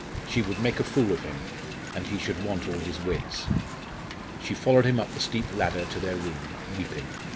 She would make a fool of him, and he should want all his wits. She followed him up the steep ladder to their room, weeping.